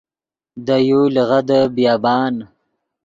دے یو لیغدے بیابان